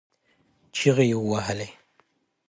چغې يې ووهلې.